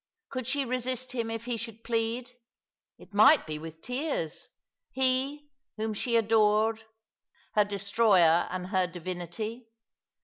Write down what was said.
Could she resist him if he should plead— it might be with tears— ^he, whom she adored, her. destroyer and her divinity?